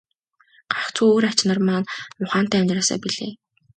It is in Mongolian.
Гагцхүү үр ач нар минь ухаантай амьдраасай билээ.